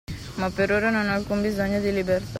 Ma per ora non ho alcun bisogno di libertà.